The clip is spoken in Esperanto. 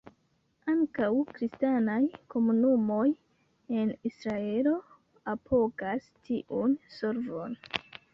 Ankaŭ kristanaj komunumoj en Israelo apogas tiun solvon.